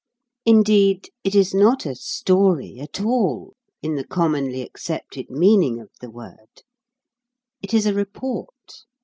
Indeed, it is not a 'story' at all, in the commonly accepted meaning of the word: it is a report.